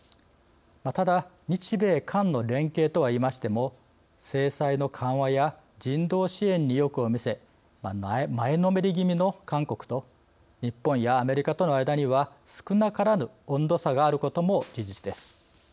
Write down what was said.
ただ日米韓の連携とは言いましても制裁の緩和や人道支援に意欲を見せ前のめり気味の韓国と日本やアメリカとの間には少なからぬ温度差があることも事実です。